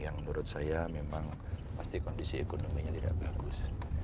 yang menurut saya memang pasti kondisi ekonominya tidak bagus